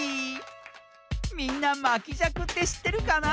みんなまきじゃくってしってるかな？